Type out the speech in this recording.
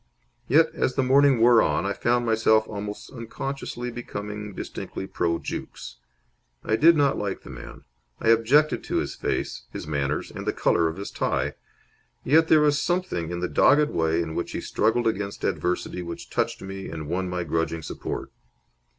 Yet, as the morning wore on, I found myself almost unconsciously becoming distinctly pro Jukes. I did not like the man. I objected to his face, his manners, and the colour of his tie. Yet there was something in the dogged way in which he struggled against adversity which touched me and won my grudging support.